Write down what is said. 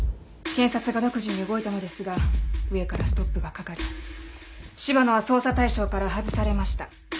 検察が独自に動いたのですが上からストップがかかり柴野は捜査対象から外されました